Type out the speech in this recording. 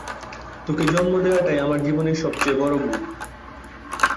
তোকে জন্ম দেওয়াটাই আমার জীবনের সবচেয়ে বড় ভুল।